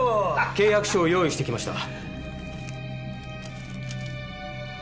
契約書を用意してきました。